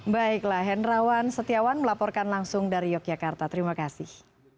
baiklah hendrawan setiawan melaporkan langsung dari yogyakarta terima kasih